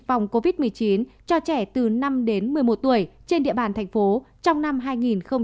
phòng covid một mươi chín cho trẻ từ năm đến một mươi một tuổi trên địa bàn tp hcm trong năm hai nghìn hai mươi hai